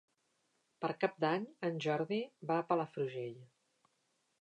Per Cap d'Any en Jordi va a Palafrugell.